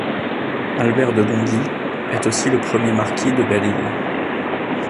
Albert de Gondi est aussi le premier marquis de Belle-Île.